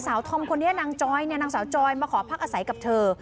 ธอมคนนี้นางจอยเนี่ยนางสาวจอยมาขอพักอาศัยกับเธอ